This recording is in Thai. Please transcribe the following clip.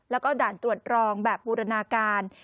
แล้วก็ด่านตรวจรองแบบบูรณาการ